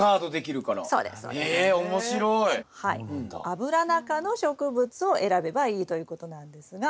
アブラナ科の植物を選べばいいということなんですが。